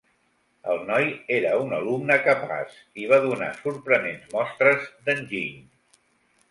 El noi era un alumne capaç i va donar sorprenents mostres d'enginy.